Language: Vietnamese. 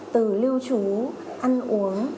từ lưu trú ăn uống